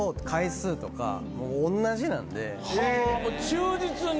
忠実に。